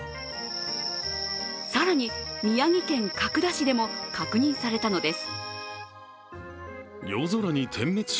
更に、宮城県角田市でも確認されたのです。